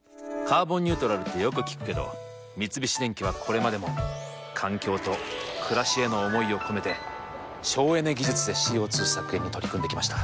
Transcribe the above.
「カーボンニュートラル」ってよく聞くけど三菱電機はこれまでも環境と暮らしへの思いを込めて省エネ技術でＣＯ２削減に取り組んできました。